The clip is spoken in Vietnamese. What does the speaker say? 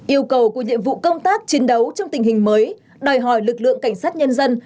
yêu cầu của nhiệm vụ công tác chiến đấu trong tình hình mới đòi hỏi lực lượng cảnh sát nhân dân